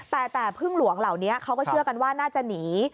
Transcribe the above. แต่แต่พึ่งหลวงเหล่านี้เขาก็เชื่อกันว่าน่าจะหนี